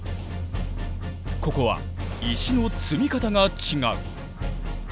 ここは石の積み方が違う。